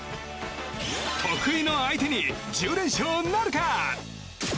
得意の相手に１０連勝なるか？